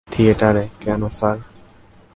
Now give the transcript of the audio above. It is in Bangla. থিয়েটারে, কেন, স্যার?